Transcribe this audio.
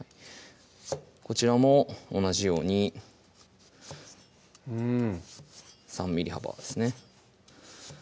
こちらも同じようにうん３ｍｍ幅ですね